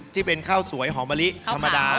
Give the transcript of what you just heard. ที่เป็นข้าวสวยหอมมะลิธรรมดา